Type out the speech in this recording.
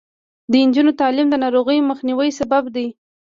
د نجونو تعلیم د ناروغیو مخنیوي سبب دی.